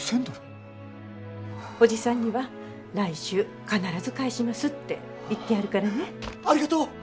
おじさんには来週必ず返しますって言ってあるからね。